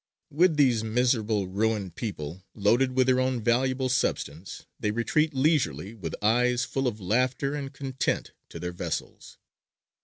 With these miserable ruined people, loaded with their own valuable substance, they retreat leisurely, with eyes full of laughter and content, to their vessels.